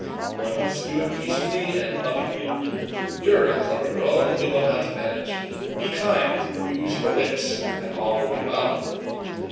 One wants to do it peacefully and lovingly. You're a clever girl and you'll know how to manage. Be kind, and use your wits. Then all will be well."